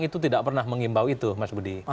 itu tidak pernah mengimbau itu mas budi